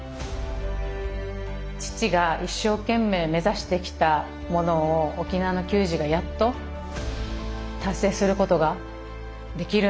父が一生懸命目指してきたものを沖縄の球児がやっと達成することができるんだと。